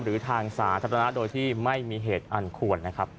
หรือทางสาธารณะโดยที่ไม่มีเหตุอันควรนะครับ